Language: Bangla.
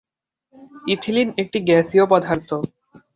ইথিলিন একটি গ্যাসীয় পদার্থ।